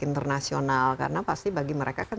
internasional karena pasti bagi mereka kan